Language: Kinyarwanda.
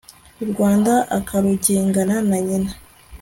u rwanda akarugengana na nyina